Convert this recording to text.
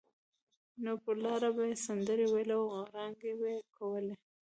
نو پر لاره به یې سندرې ویلې او غړانګې به یې کولې.